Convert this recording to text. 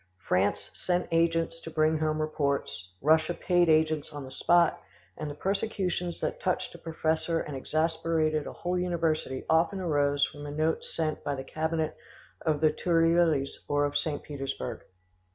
France sent agents to bring home reports, Russia paid agents on the spot, and the persecutions that touched a professor and exasperated a whole university often arose from a note sent by the Cabinet of the Tuileries or of St. Petersburg.